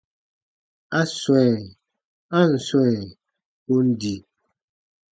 A swɛ̃, a ǹ swɛ̃ kon di.